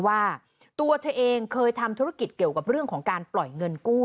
ว่าตัวเธอเองเคยทำธุรกิจเกี่ยวกับเรื่องของการปล่อยเงินกู้